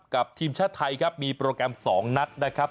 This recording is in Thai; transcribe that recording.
ทีมชาติไทยครับมีโปรแกรม๒นัดนะครับ